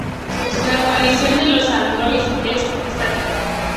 La aparición de los "androides" es estática.